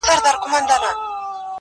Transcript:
خو له يو لاسه پوره ښار جوړېږي